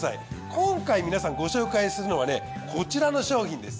今回皆さんご紹介するのはねこちらの商品です。